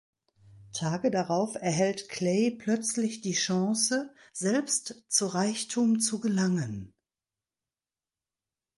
Tage darauf erhält Clay plötzlich die Chance, selbst zu Reichtum zu gelangen.